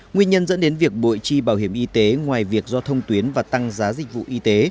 nguyên nhân dẫn đến việc bội chi bảo hiểm y tế ngoài việc do thông tuyến và tăng giá dịch vụ y tế